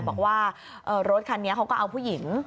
บอกว่ารถคันนี้เขาก็เอาผู้หญิง